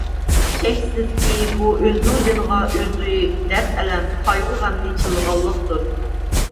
شەكسىزكى، بۇ ئۆزىنىڭ جېنىغا ئۆزى دەرد - ئەلەم، قايغۇ - غەمنى چىللىغانلىقتۇر.